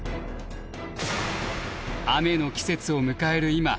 雨の季節を迎える今